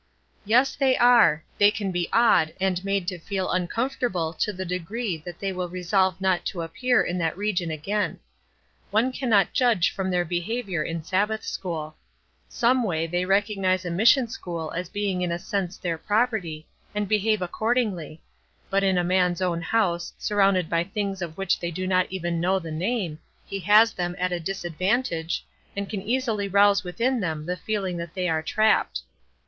"Yes they are; they can be awed, and made to feel uncomfortable to the degree that they will resolve not to appear in that region again. One cannot judge from their behavior in Sabbath school. Some way they recognize a mission school as being in a sense their property, and behave accordingly; but in a man's own house, surrounded by things of which they do not even know the name, he has them at a disadvantage, and can easily rouse within them the feeling that they are 'trapped.'